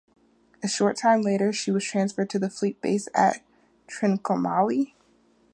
A short time later, she was transferred to the fleet base at Trincomalee.